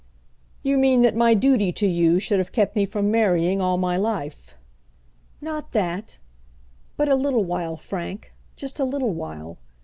"You mean that my duty to you should have kept me from marrying all my life." "Not that; but a little while, Frank; just a little while.